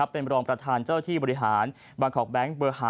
เป็นรองประธานเจ้าวิทยาลัยที่บริหารบาร์คอร์กแบงก์